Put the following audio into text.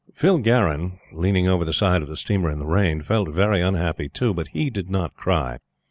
Phil Garron, leaning over the side of the steamer in the rain, felt very unhappy too; but he did not cry.